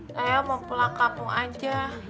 saya mau pulang kampung aja